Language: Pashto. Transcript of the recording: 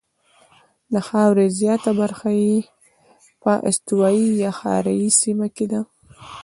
د خاورې زیاته برخه یې په استوایي یا حاره یې سیمه کې ده.